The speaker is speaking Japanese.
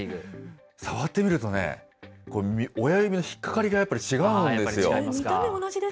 触ってみるとね、親指の引っ掛かやっぱり違いますかね。